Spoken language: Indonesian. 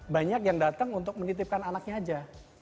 banyak yang datang untuk menitipkan anaknya aja